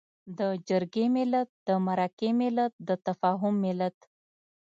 د جرګې ملت، د مرکې ملت، د تفاهم ملت.